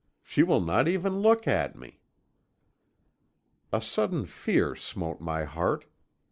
She will not even look at me!' "A sudden fear smote my heart.